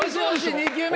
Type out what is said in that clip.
２球目。